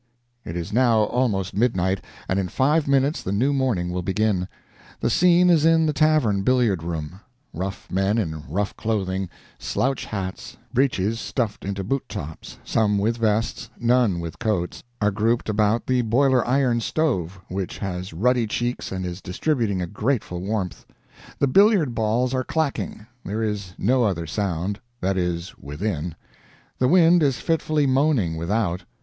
It is now almost midnight, and in five minutes the new morning will begin. The scene is in the tavern billiard room. Rough men in rough clothing, slouch hats, breeches stuffed into boot tops, some with vests, none with coats, are grouped about the boiler iron stove, which has ruddy cheeks and is distributing a grateful warmth; the billiard balls are clacking; there is no other sound that is, within; the wind is fitfully moaning without.